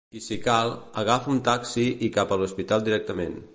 I si cal, agafar un taxi i cap a l’hospital directament.